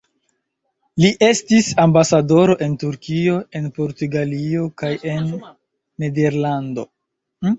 Li estis ambasadoro en Turkio, en Portugalio kaj en Nederlando.